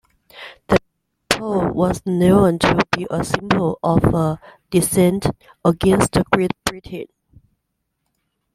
The pole was known to be a symbol of dissent against Great Britain.